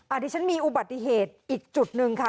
อาทิชชณ์มีอุบัติเหตุอีกจุดนึงค่ะ